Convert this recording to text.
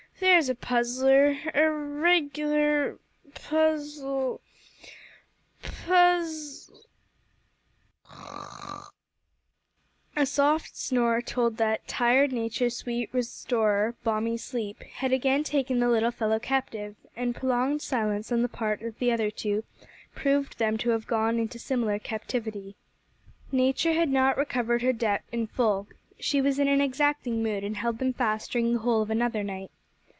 There's a puzzler a reg'lar puzzl' puz " A soft snore told that "tired Nature's sweet restorer, balmy sleep," had again taken the little fellow captive, and prolonged silence on the part of the other two proved them to have gone into similar captivity. Nature had not recovered her debt in full. She was in an exacting mood, and held them fast during the whole of another night.